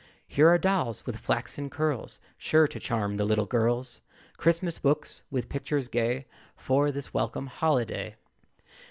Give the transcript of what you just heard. Here are dolls with flaxen curls, Sure to charm the little girls; Christmas books, with pictures gay, For this welcome holiday.